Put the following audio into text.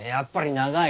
長い。